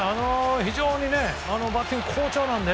非常にバッティング好調なんで。